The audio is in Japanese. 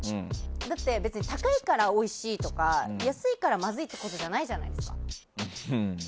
だって、高いからおいしいとか安いからまずいってことじゃないじゃないですか。